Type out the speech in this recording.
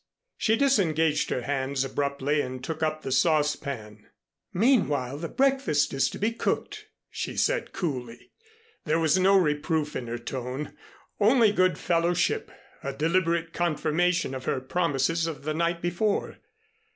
She disengaged her hands abruptly and took up the saucepan. "Meanwhile, the breakfast is to be cooked " she said coolly. There was no reproof in her tone, only good fellowship, a deliberate confirmation of her promises of the night before.